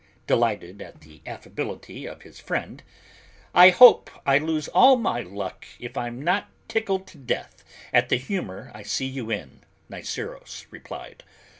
Delighted at the affability of his friend, "I hope I lose all my luck if I'm not tickled to death at the humor I see you in," Niceros replied.